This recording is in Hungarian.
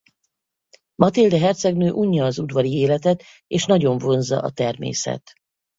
Mathilde hercegnő unja az udvari életet és nagyon vonzza a természet.